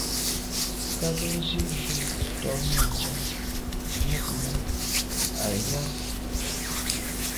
Kâ gə́ zí’jú tɔ̌ míɛ̂nʤám mjɛ̂k mú à yá.